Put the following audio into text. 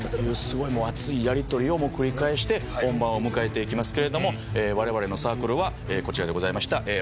すごい熱いやり取りを繰り返して本番を迎えていきますけれども我々のサークルはこちらでございました。